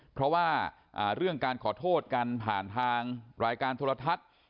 เพราะว่าเรื่องการขอโทษกันผ่านทางรายการโทรทัศน์